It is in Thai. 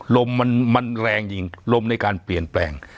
ลมมันแรงจริงลมในการเปลี่ยนแปลง